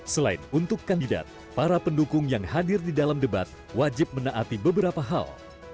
selain untuk kandidat para pendukung yang hadir di dalam debat wajib menaati beberapa hal